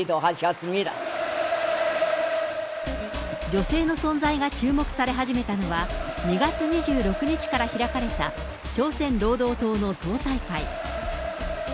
女性の存在が注目され始めたのは、２月２６日から開かれた朝鮮労働党の党大会。